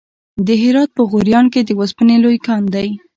د هرات په غوریان کې د وسپنې لوی کان دی.